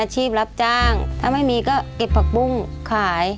รับจ้างถ้าไม่มีก็เก็บผักปุ้งขาย